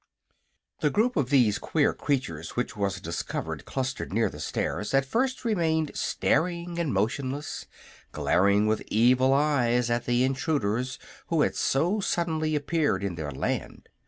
The group of these queer creatures which was discovered clustered near the stairs at first remained staring and motionless, glaring with evil eyes at the intruders who had so suddenly appeared in their land.